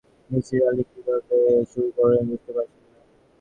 নিসার আলি কীভাবে শুরু করবেন বুঝতে পারছেন না।